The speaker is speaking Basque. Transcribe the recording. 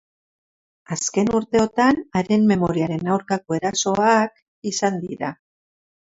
Azken urteotan, haren memoriaren aurkako erasoak izan dira.